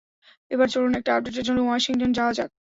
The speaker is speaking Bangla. এবার চলুন একটা আপডেটের জন্য ওয়াশিংটন যাওয়া যাক।